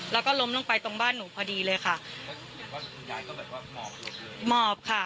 แล้วก็ล้มลงไปตรงบ้านหนูพอดีเลยค่ะเห็นว่าคุณยายก็แบบว่าหมอบเลยหมอบค่ะ